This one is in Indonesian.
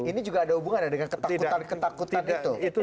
ini juga ada hubungannya dengan ketakutan ketakutan itu